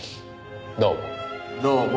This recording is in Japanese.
どうも。